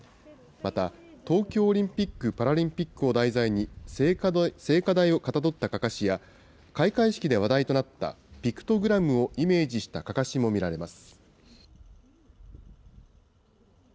また東京オリンピック・パラリンピックを題材に、聖火台をかたどったかかしや、開会式で話題となったピクトグラムをイメージしたかかしも見られます。